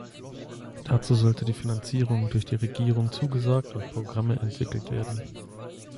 Dazu sollte die Finanzierung durch die Regierung zugesagt und Programme entwickelt werden.